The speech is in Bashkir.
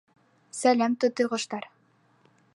Сәләм, тутыйғоштар!